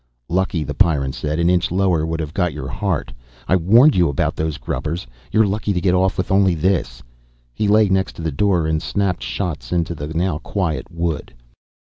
"Lucky," the Pyrran said. "An inch lower would have got your heart. I warned you about those grubbers. You're lucky to get off with only this." He lay next to the door and snapped shots into the now quiet wood.